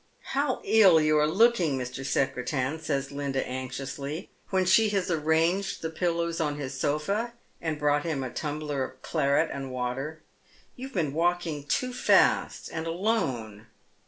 " How ill you are looking, Mr. Secretan !" says Linda anxiously, when she has arranged the pillows on his sofa and Troths History. 251 brought him a tumbler of claret and water. " Yow "fcave been walking too fast, and alone."